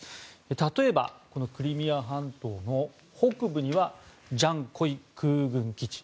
例えば、このクリミア半島の北部にはジャンコイ空軍基地